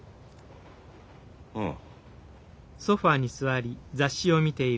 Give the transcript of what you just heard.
ああ。